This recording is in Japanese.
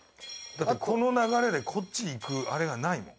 この流れでこっち行くあれがないもん。